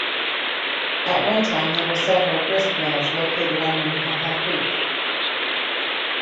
At one time there were several grist mills located on Minnehaha Creek.